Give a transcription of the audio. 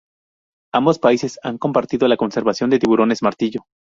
Ambos países han compartido la conservación de tiburones martillo.